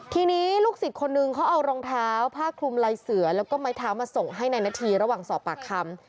ทีนี้ลูกศิษย์คนนึงเขาเอารองเท้าผ้าคลุมลายเสือแล้วก็ไม้เท้ามาส่งให้ในนาทีระหว่างสอบปากคำ